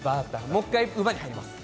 もう一度、馬に戻ります。